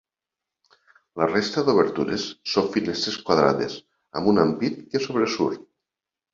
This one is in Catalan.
La resta d'obertures són finestres quadrades amb un ampit que sobresurt.